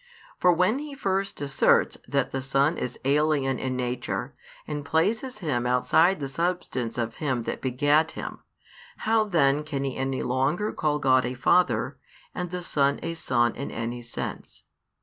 For when he first asserts that the Son is alien in nature, and places Him outside the Substance of Him That begat Him, how then can he any longer call God a Father, and the Son a Son in any sense?